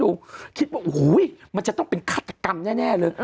คิดว่าโอ้โหมันจะต้องเป็นฆาตกรรมแน่เลย